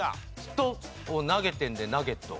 「ット」を投げてるんでナゲット。